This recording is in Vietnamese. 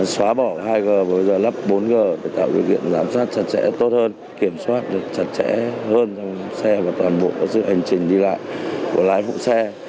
xóa bỏ hai g và bây giờ lắp bốn g để tạo điều kiện giám sát chặt chẽ tốt hơn kiểm soát được chặt chẽ hơn trong xe và toàn bộ hành trình đi lại của lái vũ xe